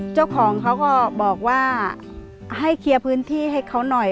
เจ้าของเขาก็บอกว่าให้เคลียร์พื้นที่ให้เขาหน่อย